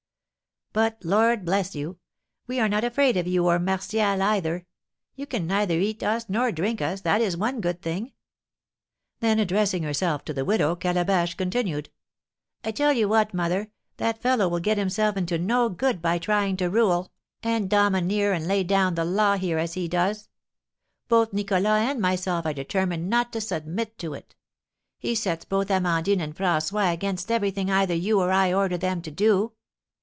But Lord bless you! We are not afraid of you or Martial either; you can neither eat us nor drink us, that is one good thing." Then, addressing herself to the widow, Calabash continued, "I tell you what, mother, that fellow will get himself into no good by trying to rule, and domineer, and lay down the law here, as he does; both Nicholas and myself are determined not to submit to it. He sets both Amandine and François against everything either you or I order them to do.